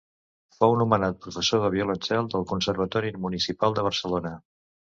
Fou nomenat professor de violoncel del Conservatori Municipal de Barcelona.